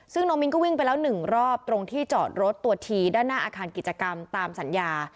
ซึ่งน้องมิ้นก็วิ่งไปแล้ว๑รอบตรงที่จอดรถตัวทีด้านหน้าอาคารกิจกรรมตามสัญญา